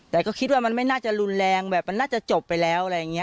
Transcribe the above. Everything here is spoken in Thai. แต่ก็คิดว่ามันไม่น่าจะรุนแรงแบบมันน่าจะจบไปแล้วอะไรอย่างนี้